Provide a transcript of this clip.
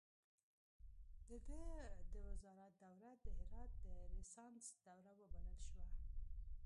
د ده د وزارت دوره د هرات د ریسانس دوره وبلل شوه.